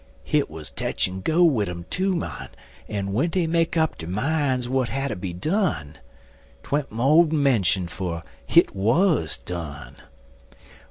Hit was tech en go wid um, too, mon, en w'en dey make up der mines w'at hatter be done, 'twant mo'n menshun'd 'fo, hit wuz done.